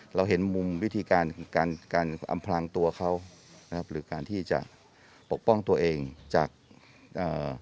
เราเห็นมุมวิธีการการอำพลังตัวเขานะครับหรือการที่จะปกป้องตัวเองจากเอ่อ